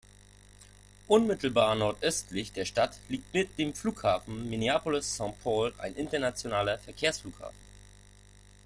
Unmittelbar nordöstlich der Stadt liegt mit dem Flughafen Minneapolis-Saint Paul ein internationaler Verkehrsflughafen.